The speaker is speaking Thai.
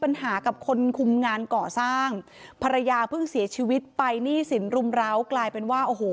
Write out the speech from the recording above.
อยากซื้อปืน